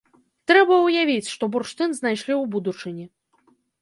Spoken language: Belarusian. Трэба ўявіць, што бурштын знайшлі ў будучыні.